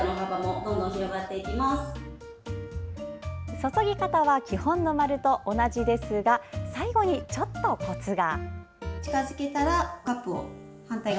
注ぎ方は基本の丸と同じですが最後にちょっとコツが。